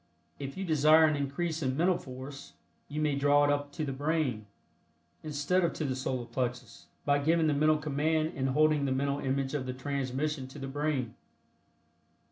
If you desire an increase in mental force, you may draw it up to the brain instead of to the Solar Plexus, by giving the mental command and holding the mental image of the transmission to the brain.